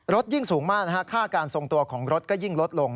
ยิ่งสูงมากค่าการทรงตัวของรถก็ยิ่งลดลง